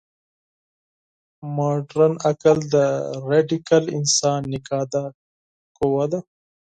مډرن عقل د راډیکال انسان نقاده قوه ده.